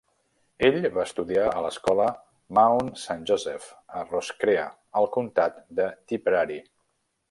Ell va estudiar a l'escola Mount Saint Joseph a Roscrea, al comtat de Tipperary.